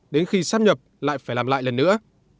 đến khi sắp nhập lại phải làm lại lần nữa